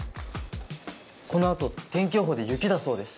この後天気予報で雪だそうです。